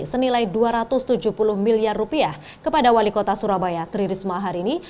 senilai dua ratus tujuh puluh miliar rupiah kepada wali kota surabaya tri risma hari ini